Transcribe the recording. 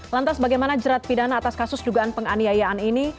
lantas bagaimana jerat pidana atas kasus dugaan penganiayaan ini